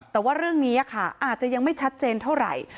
แต่ว่าเรื่องนี้ค่ะอาจจะยังไม่ชัดเจนเท่าไหร่